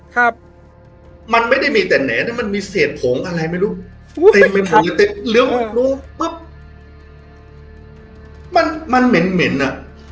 ครับมันไม่ได้มีแต่แหน่นมันมีเศษผงอะไรไม่รู้มันมันเหม็นเหม็นอ่ะ